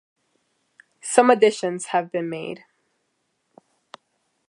Some additions have been made.